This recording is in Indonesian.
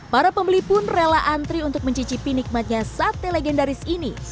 para pembeli pun rela antri untuk mencicipi nikmatnya sate legendaris ini